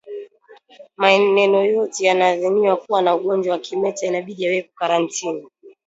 Maeneo yote yanayodhaniwa kuwa na ugonjwa wa kimeta inabidi yawekwe karantini